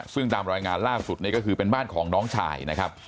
ซึ่งตามรายงานล่าสุดนี่ก็คือเป็นบ้านของน้องชายนะครับ